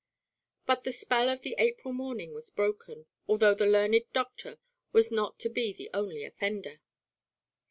But the spell of the April morning was broken, although the learned doctor was not to be the only offender.